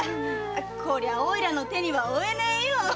こりゃおいらの手に負えないよ。